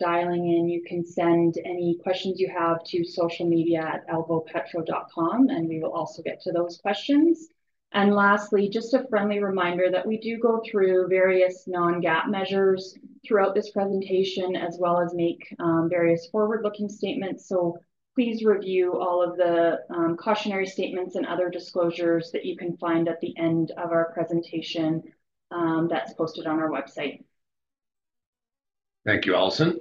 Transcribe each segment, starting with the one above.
Dialing in, you can send any questions you have to social media at alvopetro.com, and we will also get to those questions. Lastly, just a friendly reminder that we do go through various Non-GAAP measures throughout this presentation, as well as make various forward-looking statements. Please review all of the cautionary statements and other disclosures that you can find at the end of our presentation that's posted on our website. Thank you, Alison.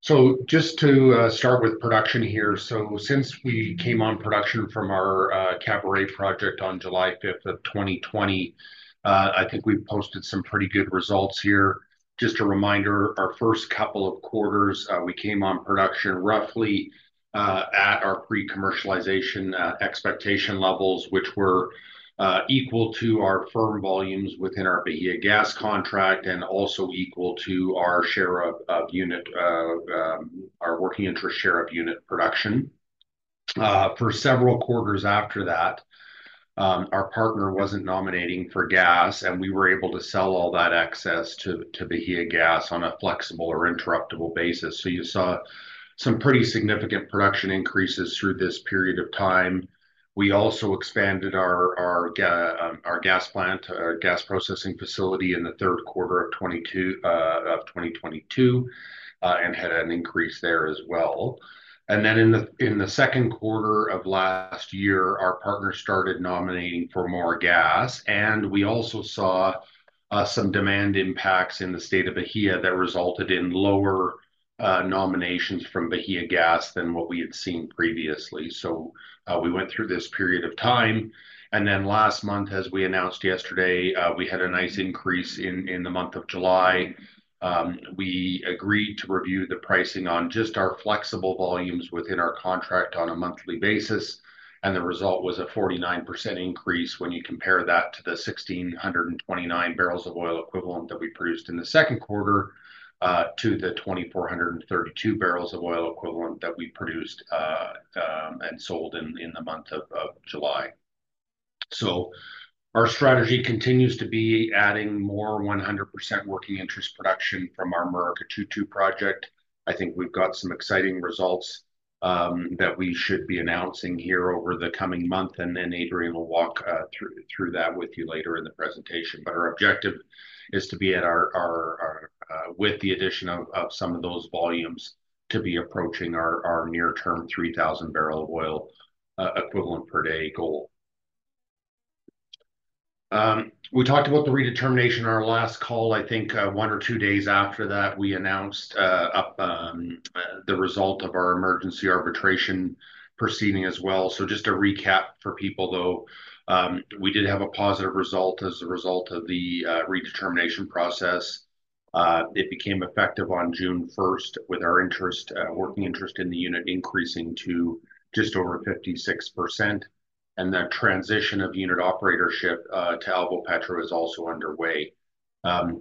So just to start with production here, since we came on production from our Caburé project on July 5th of 2020, I think we've posted some pretty good results here. Just a reminder, our first couple of quarters, we came on production roughly at our pre-commercialization expectation levels, which were equal to our firm volumes within our Bahiagás contract and also equal to our share of unit, our working interest share of unit production. For several quarters after that, our partner wasn't nominating for gas, and we were able to sell all that excess to Bahiagás on a flexible or interruptible basis. So you saw some pretty significant production increases through this period of time. We also expanded our gas plant, our gas processing facility in the third quarter of 2022 and had an increase there as well. And then in the second quarter of last year, our partner started nominating for more gas, and we also saw some demand impacts in the state of Bahia that resulted in lower nominations from Bahiagás than what we had seen previously. So we went through this period of time. And then last month, as we announced yesterday, we had a nice increase in the month of July. We agreed to review the pricing on just our flexible volumes within our contract on a monthly basis, and the result was a 49% increase when you compare that to the 1,629 barrels of oil equivalent that we produced in the second quarter to the 2,432 barrels of oil equivalent that we produced and sold in the month of July. So our strategy continues to be adding more 100% working interest production from our Murucututu project. I think we've got some exciting results that we should be announcing here over the coming month, and then Adrian will walk through that with you later in the presentation. But our objective is to be at our with the addition of some of those volumes to be approaching our near-term 3,000 barrel of oil equivalent per day goal. We talked about the redetermination on our last call. I think one or two days after that, we announced the result of our emergency arbitration proceeding as well. So just a recap for people, though, we did have a positive result as a result of the redetermination process. It became effective on June 1st with our working interest in the unit increasing to just over 56%. And that transition of unit operatorship to Alvopetro is also underway.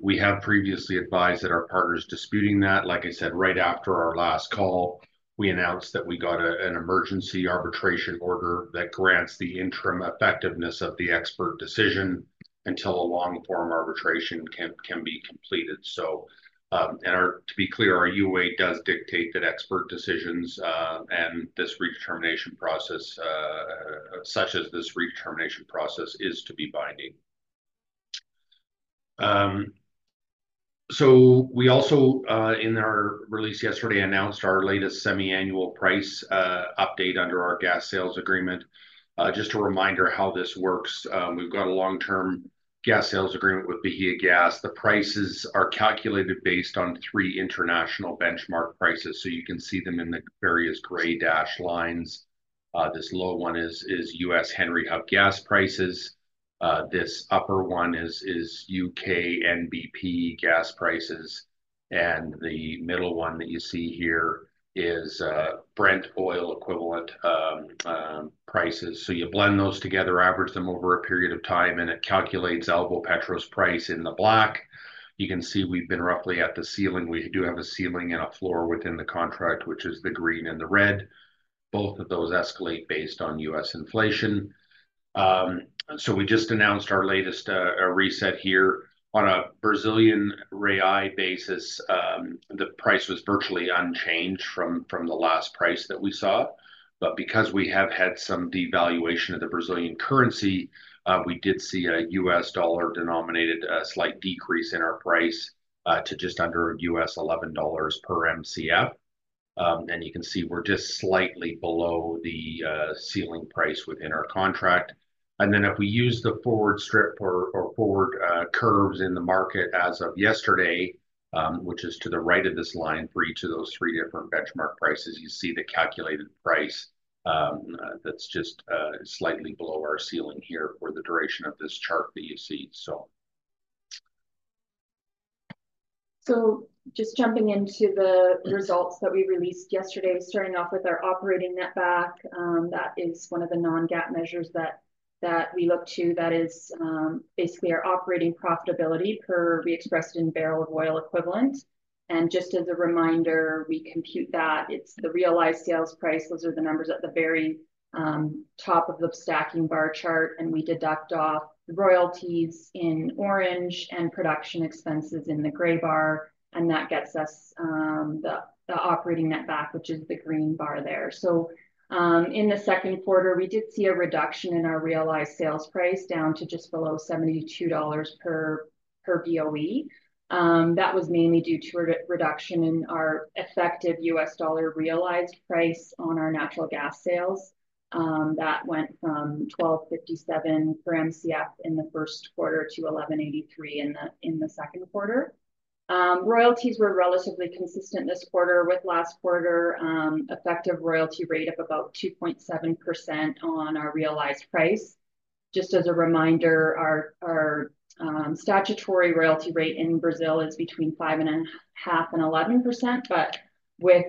We have previously advised that our partner is disputing that. Like I said, right after our last call, we announced that we got an emergency arbitration order that grants the interim effectiveness of the expert decision until a long-form arbitration can be completed. And to be clear, our UA does dictate that expert decisions and this redetermination process, such as this redetermination process, is to be binding. So we also, in our release yesterday, announced our latest semi-annual price update under our gas sales agreement. Just a reminder how this works. We've got a long-term gas sales agreement with Bahiagás. The prices are calculated based on three international benchmark prices. So you can see them in the various gray dashed lines. This low one is U.S. Henry Hub gas prices. This upper one is U.K. NBP gas prices. And the middle one that you see here is Brent oil equivalent prices. So you blend those together, average them over a period of time, and it calculates Alvopetro's price in the black. You can see we've been roughly at the ceiling. We do have a ceiling and a floor within the contract, which is the green and the red. Both of those escalate based on U.S. inflation. So we just announced our latest reset here on a Brazilian real basis. The price was virtually unchanged from the last price that we saw. But because we have had some devaluation of the Brazilian currency, we did see a U.S. dollar-denominated slight decrease in our price to just under $11 per MCF. And you can see we're just slightly below the ceiling price within our contract. And then if we use the forward strip or forward curves in the market as of yesterday, which is to the right of this line for each of those three different benchmark prices, you see the calculated price that's just slightly below our ceiling here for the duration of this chart that you see, so. So just jumping into the results that we released yesterday, starting off with our operating neback, that is one of the non-GAAP measures that we look to. That is basically our operating profitability per BOE expressed in barrel of oil equivalent. And just as a reminder, we compute that. It's the realized sales price. Those are the numbers at the very top of the stacking bar chart. And we deduct off royalties in orange and production expenses in the gray bar. And that gets us the operating netback, which is the green bar there. So in the second quarter, we did see a reduction in our realized sales price down to just below $72 per BOE. That was mainly due to a reduction in our effective US dollar realized price on our natural gas sales. That went from $12.57 per MCF in the first quarter to $11.83 in the second quarter. Royalties were relatively consistent this quarter with last quarter, effective royalty rate of about 2.7% on our realized price. Just as a reminder, our statutory royalty rate in Brazil is between 5.5%-11%. But with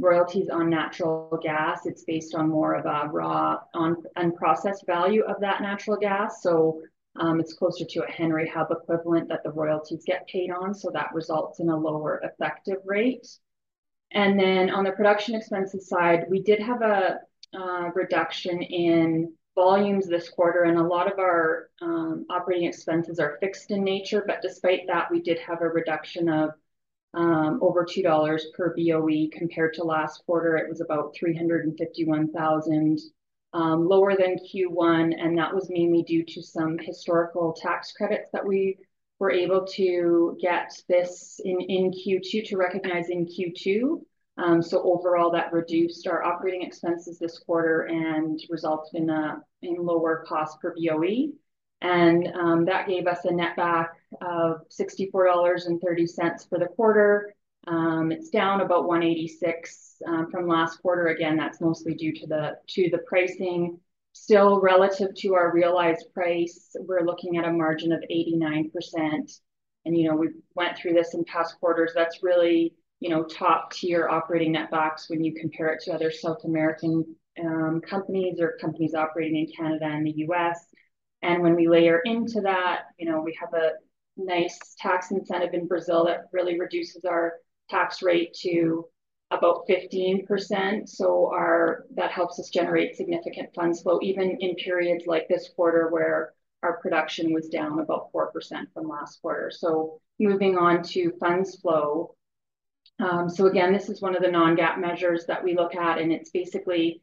royalties on natural gas, it's based on more of a raw unprocessed value of that natural gas. So it's closer to a Henry Hub equivalent that the royalties get paid on. So that results in a lower effective rate. And then on the production expenses side, we did have a reduction in volumes this quarter. And a lot of our operating expenses are fixed in nature. But despite that, we did have a reduction of over $2 per BOE compared to last quarter. It was about $351,000 lower than Q1. That was mainly due to some historical tax credits that we were able to get this in Q2 to recognize in Q2. So overall, that reduced our operating expenses this quarter and resulted in lower cost per BOE. That gave us a netback of $64.30 for the quarter. It's down about $186 from last quarter. Again, that's mostly due to the pricing. Still relative to our realized price, we're looking at a margin of 89%. We went through this in past quarters. That's really top-tier operating netback when you compare it to other South American companies or companies operating in Canada and the US. When we layer into that, we have a nice tax incentive in Brazil that really reduces our tax rate to about 15%. So that helps us generate significant funds flow even in periods like this quarter where our production was down about 4% from last quarter. Moving on to funds flow. Again, this is one of the Non-GAAP measures that we look at. And it's basically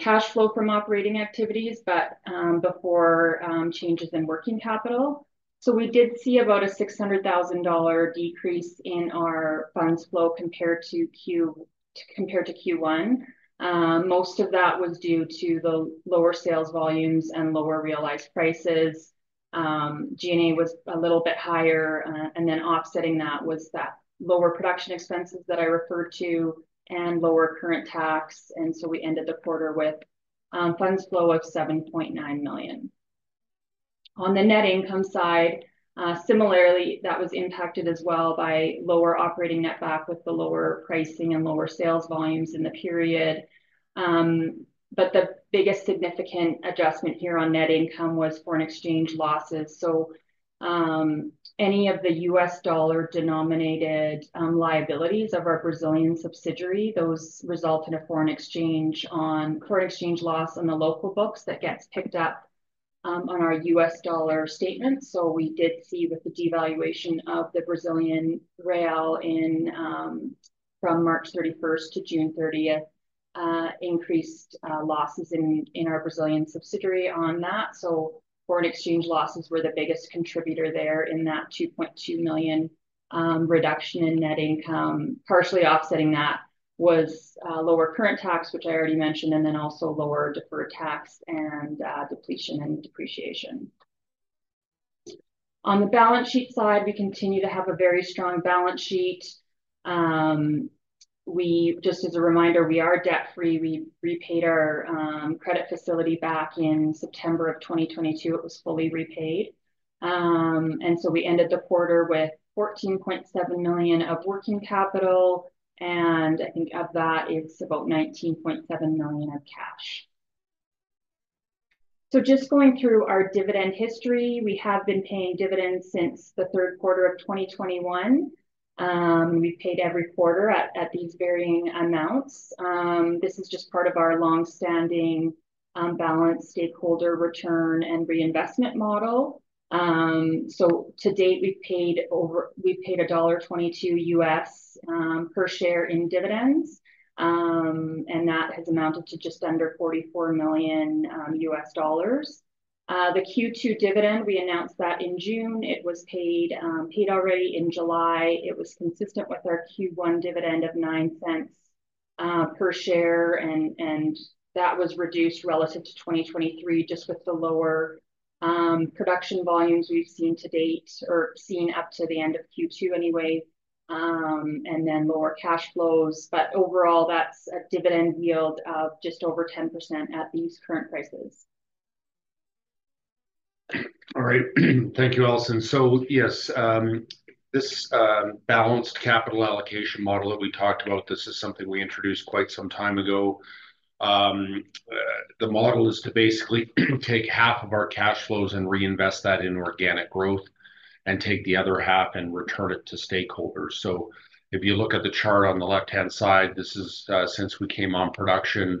cash flow from operating activities, but before changes in working capital. So we did see about a $600,000 decrease in our funds flow compared to Q1. Most of that was due to the lower sales volumes and lower realized prices. G&A was a little bit higher. And then offsetting that was that lower production expenses that I referred to and lower current tax. And so we ended the quarter with funds flow of $7.9 million. On the net income side, similarly, that was impacted as well by lower operating netback with the lower pricing and lower sales volumes in the period. But the biggest significant adjustment here on net income was foreign exchange losses. So any of the U.S. dollar-denominated liabilities of our Brazilian subsidiary, those result in a foreign exchange loss on the local books that gets picked up on our U.S. dollar statements. So we did see with the devaluation of the Brazilian real from March 31st to June 30th, increased losses in our Brazilian subsidiary on that. So foreign exchange losses were the biggest contributor there in that $2.2 million reduction in net income. Partially offsetting that was lower current tax, which I already mentioned, and then also lower deferred tax and depletion and depreciation. On the balance sheet side, we continue to have a very strong balance sheet. Just as a reminder, we are debt-free. We repaid our credit facility back in September of 2022. It was fully repaid. We ended the quarter with $14.7 million of working capital. I think of that, it's about $19.7 million of cash. Just going through our dividend history, we have been paying dividends since the third quarter of 2021. We paid every quarter at these varying amounts. This is just part of our long-standing balanced stakeholder return and reinvestment model. To date, we paid $1.22 U.S. per share in dividends. That has amounted to just under $44 million U.S. dollars. The Q2 dividend, we announced that in June. It was paid already in July. It was consistent with our Q1 dividend of $0.09 per share. That was reduced relative to 2023 just with the lower production volumes we've seen to date or seen up to the end of Q2 anyway, and then lower cash flows. Overall, that's a dividend yield of just over 10% at these current prices. All right. Thank you, Alison. So yes, this balanced capital allocation model that we talked about, this is something we introduced quite some time ago. The model is to basically take half of our cash flows and reinvest that in organic growth and take the other half and return it to stakeholders. So if you look at the chart on the left-hand side, this is since we came on production,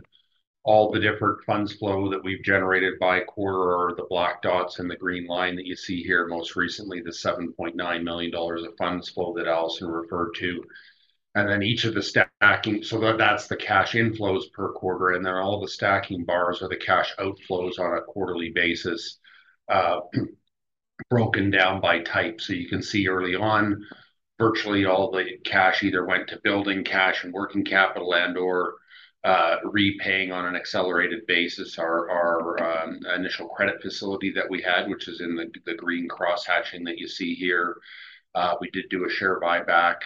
all the different funds flow that we've generated by quarter are the black dots and the green line that you see here. Most recently, the $7.9 million of funds flow that Alison referred to. And then each of the stacking, so that's the cash inflows per quarter. And then all the stacking bars are the cash outflows on a quarterly basis broken down by type. So you can see early on, virtually all the cash either went to building cash and working capital and/or repaying on an accelerated basis. Our initial credit facility that we had, which is in the green cross-hatching that you see here, we did do a share buyback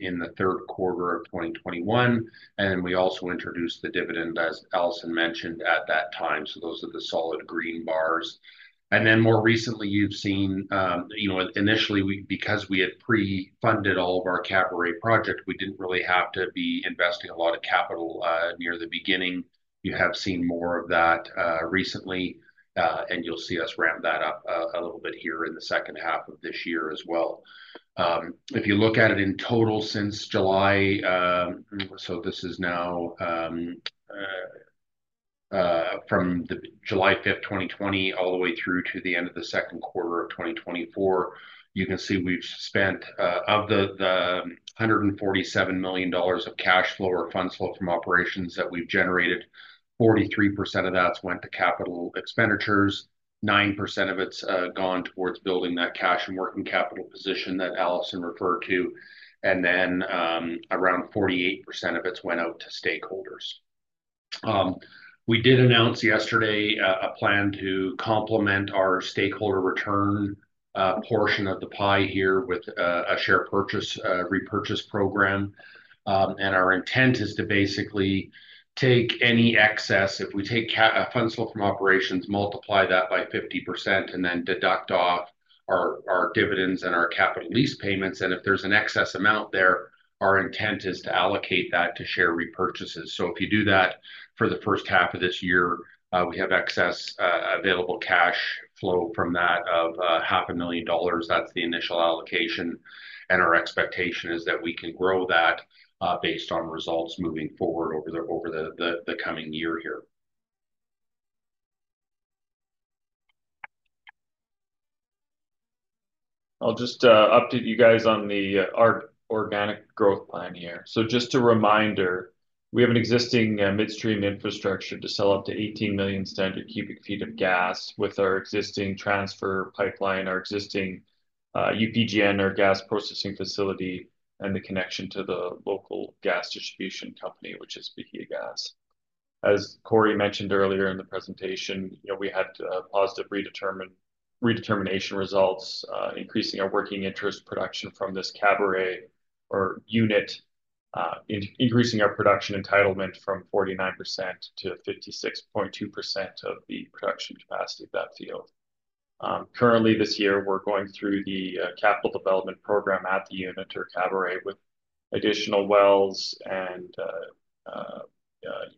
in the third quarter of 2021. And then we also introduced the dividend, as Alison mentioned, at that time. So those are the solid green bars. And then more recently, you've seen, initially, because we had pre-funded all of our Caburé project, we didn't really have to be investing a lot of capital near the beginning. You have seen more of that recently. And you'll see us ramp that up a little bit here in the second half of this year as well. If you look at it in total since July, so this is now from July 5th, 2020, all the way through to the end of the second quarter of 2024, you can see we've spent of the $147 million of cash flow or funds flow from operations that we've generated, 43% of that went to capital expenditures. 9% of it's gone towards building that cash and working capital position that Alison referred to. And then around 48% of it went out to stakeholders. We did announce yesterday a plan to complement our stakeholder return portion of the pie here with a share repurchase program. And our intent is to basically take any excess. If we take funds flow from operations, multiply that by 50%, and then deduct off our dividends and our capital lease payments. If there's an excess amount there, our intent is to allocate that to share repurchases. If you do that for the first half of this year, we have excess available cash flow from that of $500,000. That's the initial allocation. Our expectation is that we can grow that based on results moving forward over the coming year here. I'll just update you guys on the organic growth plan here. So just a reminder, we have an existing midstream infrastructure to sell up to 18 million standard cubic feet of gas with our existing transfer pipeline, our existing UPGN, our gas processing facility, and the connection to the local gas distribution company, which is Bahiagás. As Corey mentioned earlier in the presentation, we had positive redetermination results, increasing our working interest production from this Caburé or unit, increasing our production entitlement from 49%-56.2% of the production capacity of that field. Currently, this year, we're going through the capital development program at the unit or Caburé with additional wells and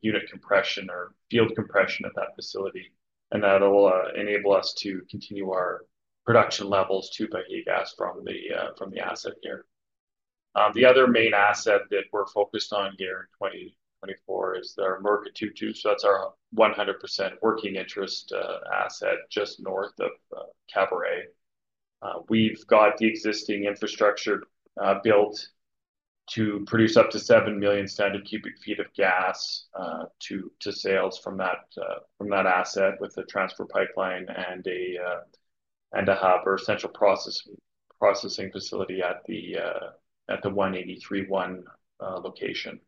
unit compression or field compression at that facility. And that'll enable us to continue our production levels to Bahiagás from the asset here. The other main asset that we're focused on here in 2024 is our Murucututu. So that's our 100% working interest asset just north of Caburé. We've got the existing infrastructure built to produce up to 7 million standard cubic feet of gas to sales from that asset with a transfer pipeline and a hub or central processing facility at the 183-1 location.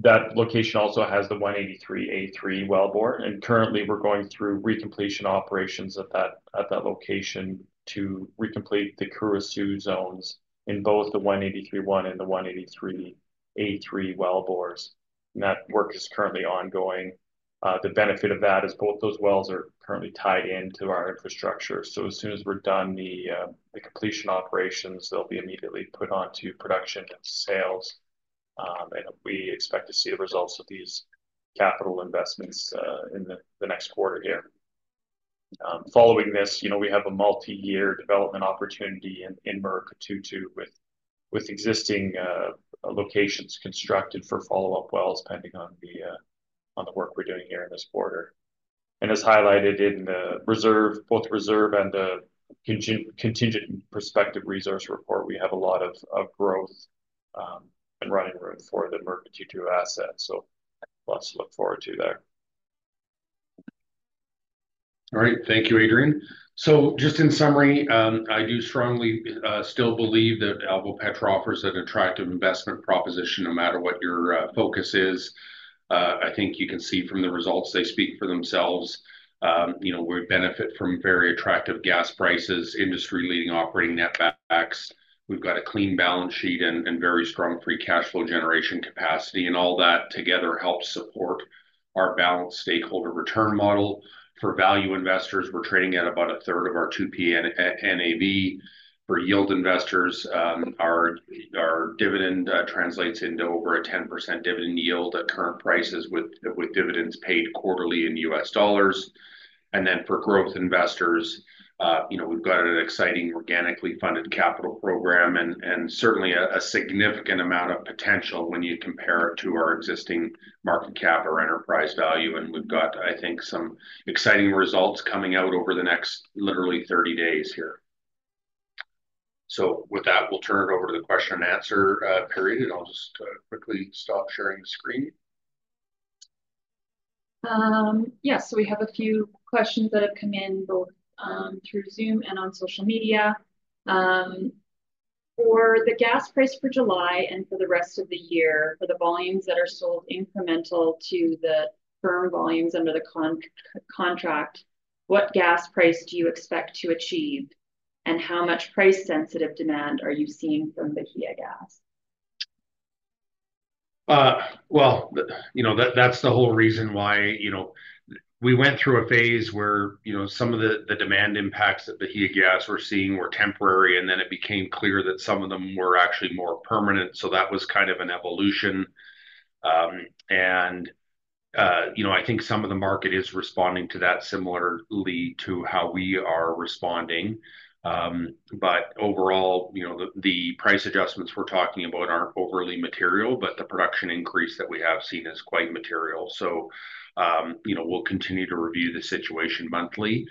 That location also has the 183-A3 wellbore. And currently, we're going through recompletion operations at that location to recomplete the Caruaçu zones in both the 183-1 and the 183-A3 wellbores. And that work is currently ongoing. The benefit of that is both those wells are currently tied into our infrastructure. So as soon as we're done the completion operations, they'll be immediately put onto production sales. And we expect to see the results of these capital investments in the next quarter here. Following this, we have a multi-year development opportunity in Murucututu with existing locations constructed for follow-up wells pending on the work we're doing here in this quarter. And as highlighted in both the reserve and the contingent prospective resource report, we have a lot of growth and running room for the Murucututu asset. So let's look forward to that. All right. Thank you, Adrian. So just in summary, I do strongly still believe that Alvopetro offers an attractive investment proposition no matter what your focus is. I think you can see from the results they speak for themselves. We benefit from very attractive gas prices, industry-leading operating netbacks. We've got a clean balance sheet and very strong free cash flow generation capacity. And all that together helps support our balanced stakeholder return model. For value investors, we're trading at about a third of our 2P NAV. For yield investors, our dividend translates into over a 10% dividend yield at current prices with dividends paid quarterly in US dollars. And then for growth investors, we've got an exciting organically funded capital program and certainly a significant amount of potential when you compare it to our existing market cap or enterprise value. We've got, I think, some exciting results coming out over the next literally 30 days here. With that, we'll turn it over to the question and answer period. I'll just quickly stop sharing the screen. Yes. So we have a few questions that have come in both through Zoom and on social media. For the gas price for July and for the rest of the year, for the volumes that are sold incremental to the firm volumes under the contract, what gas price do you expect to achieve? And how much price-sensitive demand are you seeing from Bahiagás? Well, that's the whole reason why we went through a phase where some of the demand impacts that Bahiagás were seeing were temporary. Then it became clear that some of them were actually more permanent. So that was kind of an evolution. And I think some of the market is responding to that similarly to how we are responding. But overall, the price adjustments we're talking about aren't overly material, but the production increase that we have seen is quite material. So we'll continue to review the situation monthly.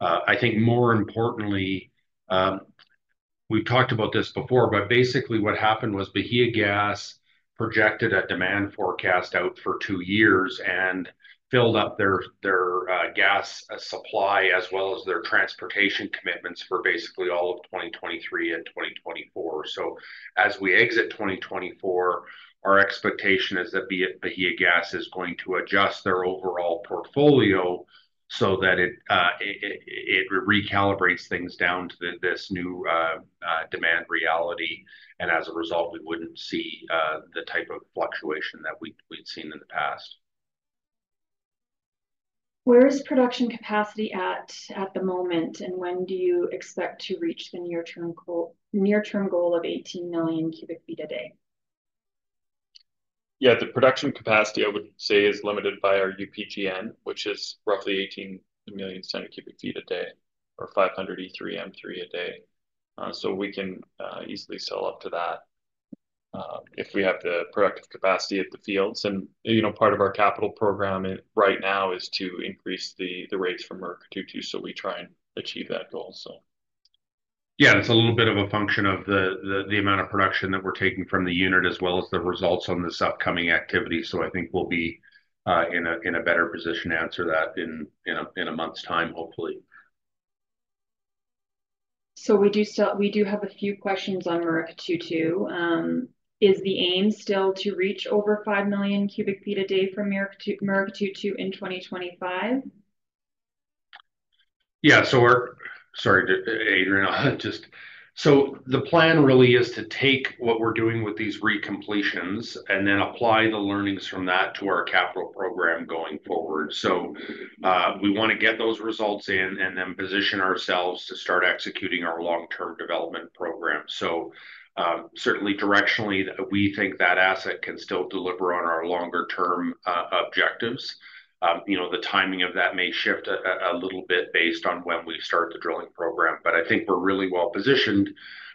I think more importantly, we've talked about this before, but basically what happened was Bahiagás projected a demand forecast out for two years and filled up their gas supply as well as their transportation commitments for basically all of 2023 and 2024. So as we exit 2024, our expectation is that Bahiagás is going to adjust their overall portfolio so that it recalibrates things down to this new demand reality. And as a result, we wouldn't see the type of fluctuation that we've seen in the past. Where is production capacity at the moment? And when do you expect to reach the near-term goal of 18 million cubic feet a day? Yeah. The production capacity, I would say, is limited by our UPGN, which is roughly 18 million standard cubic feet a day or 500 E3M3 a day. So we can easily sell up to that if we have the productive capacity at the fields. And part of our capital program right now is to increase the rates from Murucututu. So we try and achieve that goal, so. Yeah. It's a little bit of a function of the amount of production that we're taking from the unit as well as the results on this upcoming activity. So I think we'll be in a better position to answer that in a month's time, hopefully. We do have a few questions on Murucututu. Is the aim still to reach over 5 million cubic feet a day from Murucututu in 2025? Yeah. So sorry, Adrian. So the plan really is to take what we're doing with these recompletions and then apply the learnings from that to our capital program going forward. So we want to get those results in and then position ourselves to start executing our long-term development program. So certainly, directionally, we think that asset can still deliver on our longer-term objectives. The timing of that may shift a little bit based on when we start the drilling program. But I think we're really well positioned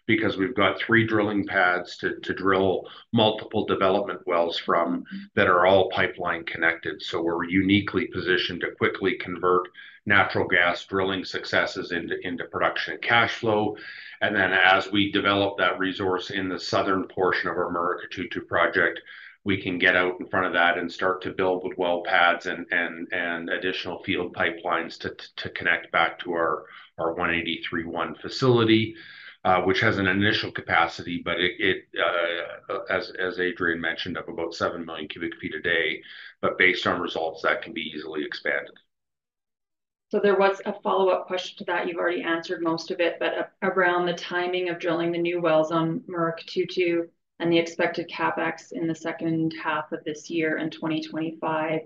because we've got three drilling pads to drill multiple development wells from that are all pipeline connected. So we're uniquely positioned to quickly convert natural gas drilling successes into production cash flow. And then as we develop that resource in the southern portion of our Murucututu project, we can get out in front of that and start to build with well pads and additional field pipelines to connect back to our 183-1 facility, which has an initial capacity, but it, as Adrian mentioned, of about 7,000,000 cubic feet a day. But based on results, that can be easily expanded. So there was a follow-up question to that. You've already answered most of it. But around the timing of drilling the new wells on Murucututu and the expected CapEx in the second half of this year in 2025,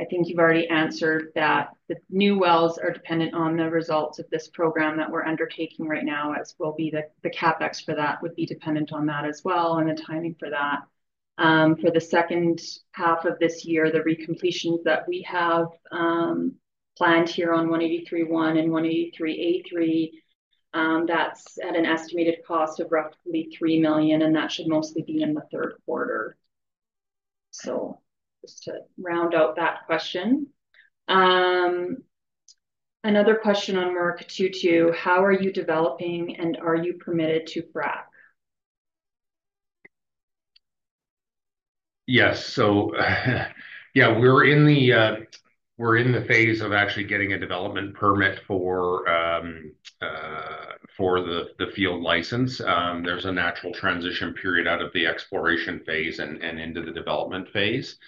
I think you've already answered that the new wells are dependent on the results of this program that we're undertaking right now, as will be the CapEx for that would be dependent on that as well and the timing for that. For the second half of this year, the recompletions that we have planned here on 183-1 and 183-A3, that's at an estimated cost of roughly $3 million. And that should mostly be in the third quarter. So just to round out that question. Another question on Murucututu. How are you developing and are you permitted to frac? Yes. So yeah, we're in the phase of actually getting a development permit for the field license. There's a natural transition period out of the exploration phase and into the development phase.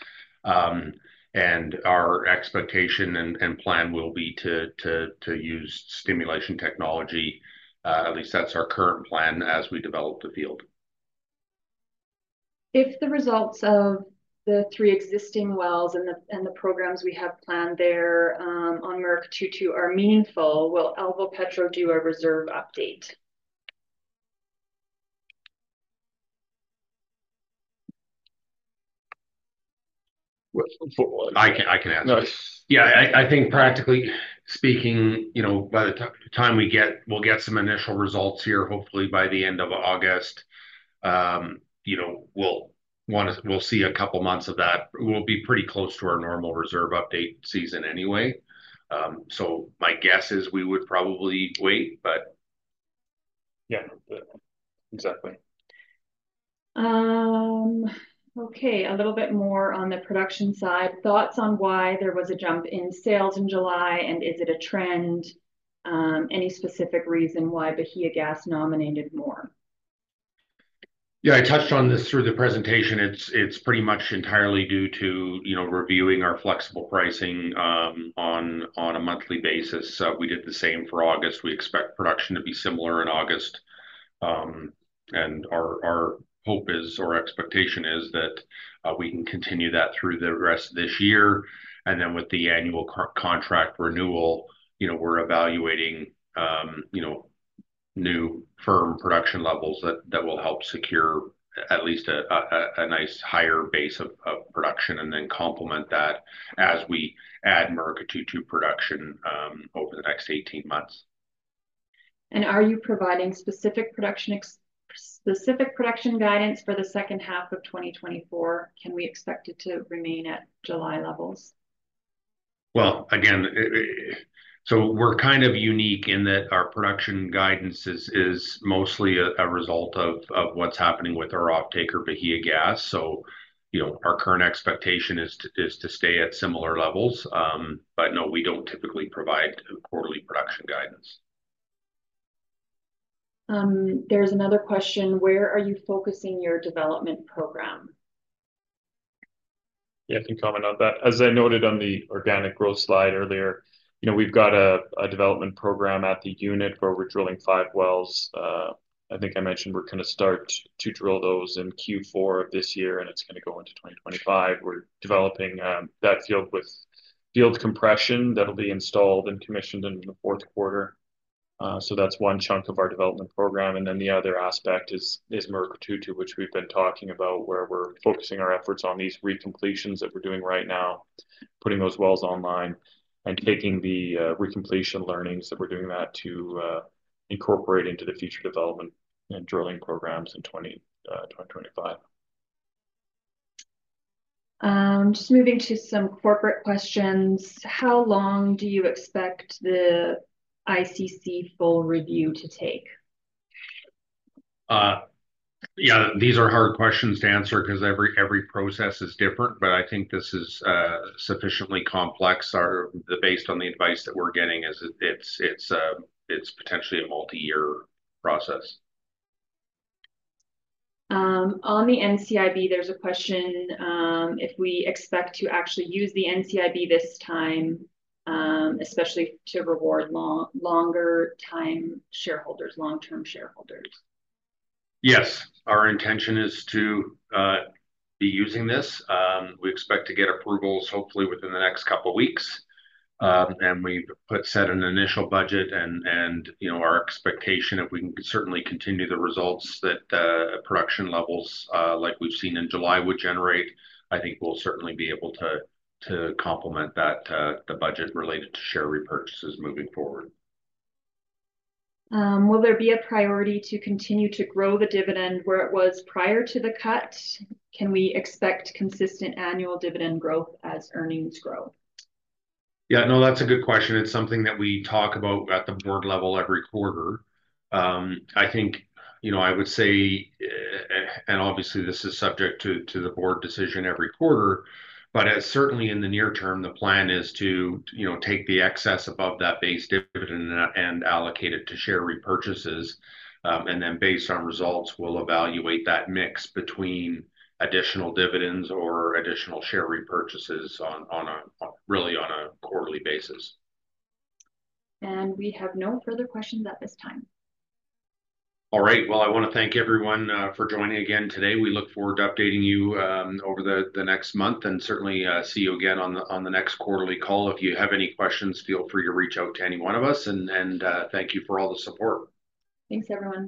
And our expectation and plan will be to use stimulation technology. At least that's our current plan as we develop the field. If the results of the three existing wells and the programs we have planned there on Murucututu are meaningful, will Alvopetro do a reserve update? I can answer that. Yeah. I think practically speaking, by the time we get some initial results here, hopefully by the end of August, we'll see a couple of months of that. We'll be pretty close to our normal reserve update season anyway. So my guess is we would probably wait, but. Yeah. Exactly. Okay. A little bit more on the production side. Thoughts on why there was a jump in sales in July? Is it a trend? Any specific reason why Bahiagás nominated more? Yeah. I touched on this through the presentation. It's pretty much entirely due to reviewing our flexible pricing on a monthly basis. We did the same for August. We expect production to be similar in August. And our hope is, or expectation is, that we can continue that through the rest of this year. And then with the annual contract renewal, we're evaluating new firm production levels that will help secure at least a nice higher base of production and then complement that as we add Murucututu production over the next 18 months. Are you providing specific production guidance for the second half of 2024? Can we expect it to remain at July levels? Well, again, so we're kind of unique in that our production guidance is mostly a result of what's happening with our off-taker, Bahiagás. So our current expectation is to stay at similar levels. But no, we don't typically provide quarterly production guidance. There's another question. Where are you focusing your development program? Yeah. I can comment on that. As I noted on the organic growth slide earlier, we've got a development program at the unit where we're drilling 5 wells. I think I mentioned we're going to start to drill those in Q4 of this year, and it's going to go into 2025. We're developing that field with field compression that'll be installed and commissioned in the fourth quarter. So that's one chunk of our development program. And then the other aspect is Murucututu, which we've been talking about where we're focusing our efforts on these recompletions that we're doing right now, putting those wells online and taking the recompletion learnings that we're doing that to incorporate into the future development and drilling programs in 2025. Just moving to some corporate questions. How long do you expect the ICC full review to take? Yeah. These are hard questions to answer because every process is different. But I think this is sufficiently complex based on the advice that we're getting as it's potentially a multi-year process. On the NCIB, there's a question if we expect to actually use the NCIB this time, especially to reward longer-time shareholders, long-term shareholders. Yes. Our intention is to be using this. We expect to get approvals hopefully within the next couple of weeks. And we've set an initial budget. And our expectation, if we can certainly continue the results that production levels like we've seen in July would generate, I think we'll certainly be able to complement the budget related to share repurchases moving forward. Will there be a priority to continue to grow the dividend where it was prior to the cut? Can we expect consistent annual dividend growth as earnings grow? Yeah. No, that's a good question. It's something that we talk about at the board level every quarter. I think I would say, and obviously, this is subject to the board decision every quarter, but certainly in the near term, the plan is to take the excess above that base dividend and allocate it to share repurchases. Then based on results, we'll evaluate that mix between additional dividends or additional share repurchases really on a quarterly basis. We have no further questions at this time. All right. Well, I want to thank everyone for joining again today. We look forward to updating you over the next month and certainly see you again on the next quarterly call. If you have any questions, feel free to reach out to any one of us. Thank you for all the support. Thanks, everyone.